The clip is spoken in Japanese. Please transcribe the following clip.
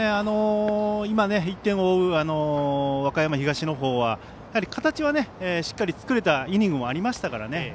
今、１点を追う和歌山東のほうは形はしっかり作れたイニングもありましたからね。